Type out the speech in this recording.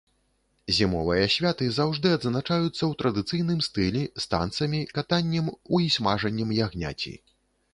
Зімовыя святы заўжды адзначаюцца ў традыцыйным стылі, з танцамі, катаннем у і смажаннем ягняці.